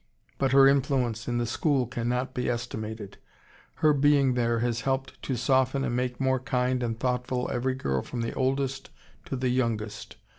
But her influence in the school cannot be estimated. Her being there has helped to soften and make more kind and thoughtful every girl from the oldest to the youngest.